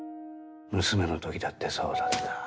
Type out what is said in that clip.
娘の時だってそうだった。